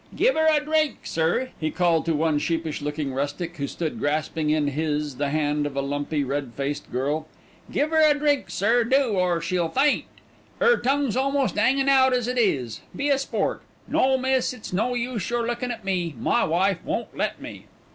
"Give 'er a drink, sir," he called to one sheepish looking rustic, who stood grasping in his the hand of a lumpy, red faced girl. "Give 'er a drink, sir, do, or she'll faint. 'Er tongue's almost 'anging out as it is. Be a sport. No, miss, it's no use your looking at me; my wife won't let me."